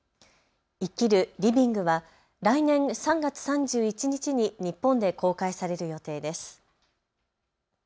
生きるＬＩＶＩＮＧは来年３月３１日に日本で公開される予定です。